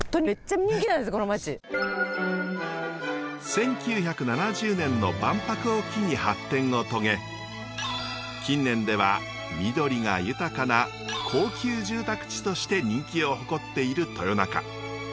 １９７０年の万博を機に発展を遂げ近年では緑が豊かな高級住宅地として人気を誇っている豊中。